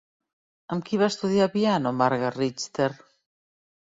Amb qui va estudiar piano Marga Richter?